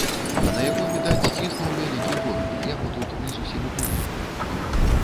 А на яго, відаць, ціснуў вялікі горад, яму тут не зусім утульна было.